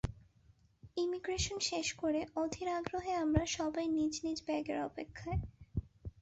Immigration শেষ করে অধীর আগ্রহে আমরা সবাই নিজ নিজ ব্যাগের অপেক্ষায়।